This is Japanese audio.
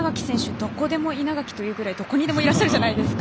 どこでも稲垣というぐらいどこにでもいらっしゃるじゃないですか。